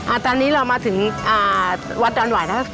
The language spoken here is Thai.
อ่าตอนนี้เรามาถึงวัดดรรหว่ายนะคะ